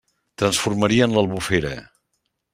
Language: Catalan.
Transformarien l'Albufera!